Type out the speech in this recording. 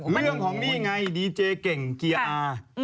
ไม่เอาของนี่ไงดีเจเก่งเกียร์อาร์